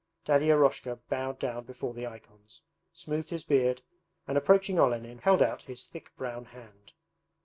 Daddy Eroshka bowed down before the icons, smoothed his beard, and approaching Olenin held out his thick brown hand.